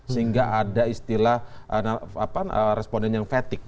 sehingga ada istilah responden yang fatik